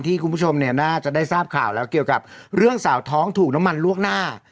คุณผู้ชมเนี่ยน่าจะได้ทราบข่าวแล้วเกี่ยวกับเรื่องสาวท้องถูกน้ำมันลวกหน้า